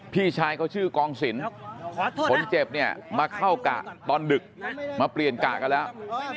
พี่ชายเขาชื่อกองสินคนเจ็บเนี่ยมาเข้ากะตอนดึกมาเปลี่ยนกะกันแล้ว